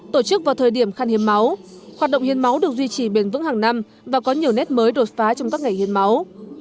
tổ chức vào thời điểm khăn hiếm máu hoạt động hiến máu được duy trì bền vững hàng năm và có nhiều nét mới đột phá trong các ngày hiến máu